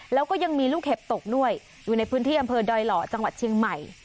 แล้วก็ยังมีลูกเห็บตกด้วยอยู่ในพื้นที่อำเภอดอยหล่อจังหวัดเชียงใหม่